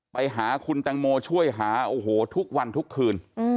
ไปหาคุณแตงโมช่วยหาโอ้โหทุกวันทุกคืน